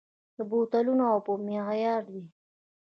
د بوتلو اوبه معیاري دي؟